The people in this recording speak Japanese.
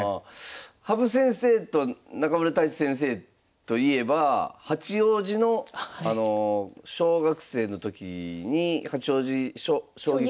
羽生先生と中村太地先生といえば八王子の小学生の時に八王子将棋クラブですか。